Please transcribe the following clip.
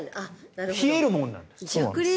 冷えるもんなんです。